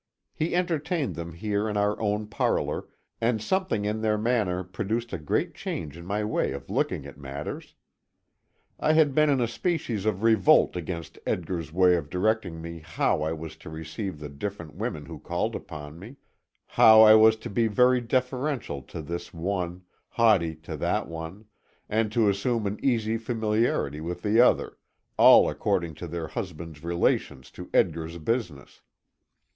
He entertained them here in our own parlor, and something in their manner produced a great change in my way of looking at matters. I had been in a species of revolt against Edgar's way of directing me how I was to receive the different women who called upon me how I was to be very deferential to this one, haughty to that one, and to assume an easy familiarity with the other, all according to their husbands' relations to Edgar's business.